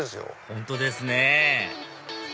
本当ですね